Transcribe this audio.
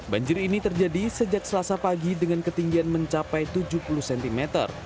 banjir ini terjadi sejak selasa pagi dengan ketinggian mencapai tujuh puluh cm